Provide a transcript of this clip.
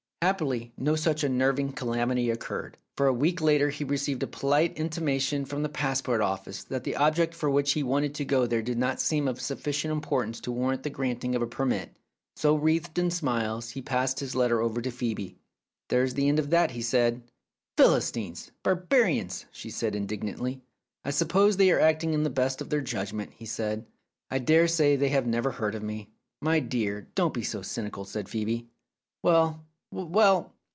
Happily no such unnerving calamity occurred, for a week later he received a polite intimation from the passport office that the object for which he wanted to go there did not seem of sufficient importance to warrant the granting of a permit; so, wreathed in smiles, he passed this letter over to Phcebe. "There's the end of that," he said. "Philistines! Barbarians!" she said indig nantly. "I suppose they are acting to the best of their judgment," said he. "I dare say they have never heard of me." "My dear, don't be so cynical," said Phcebe. "Well, well!